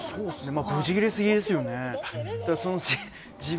ブチ切れ過ぎですよね。